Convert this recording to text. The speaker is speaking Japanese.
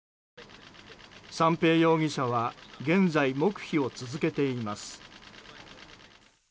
三瓶容疑者は現在、黙秘を続けています。